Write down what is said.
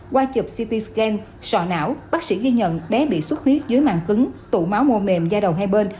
qua chụp ct scan sọ não bác sĩ ghi nhận bé bị xuất huyết dưới mạng cứng tụ máu mô mềm da đầu hai bên